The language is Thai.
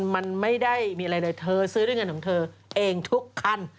มันไม่ได้มีอะไรเลยเธอซื้อด้วยเงินของเธอเองทุกคัน